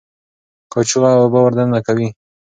قاچوغه اوبه ور دننه کوي.